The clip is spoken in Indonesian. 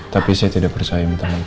tapi saya tidak percaya minta minta